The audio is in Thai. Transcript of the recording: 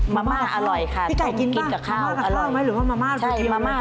มะม่าอร่อยค่ะต้องกินกับข้าวอร่อยใช่มะม่ากับข้าวใช่มะม่ากับข้าว